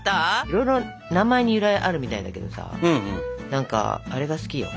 いろいろ名前に由来あるみたいだけどさ何かあれが好きよ。